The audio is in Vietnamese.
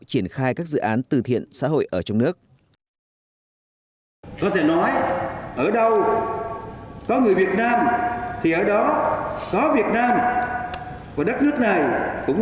triển khai các dự án từ thiện xã hội ở trong nước